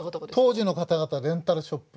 当時の方々がレンタルショップ。